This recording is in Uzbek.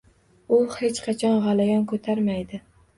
U hech qachon g’alayon ko’tarmaydi.